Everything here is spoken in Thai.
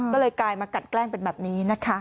ก็เลยกลายมากัดแกล้งเป็นแบบนี้นะคะ